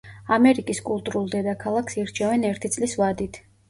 ამერიკის კულტურულ დედაქალაქს ირჩევენ ერთი წლის ვადით.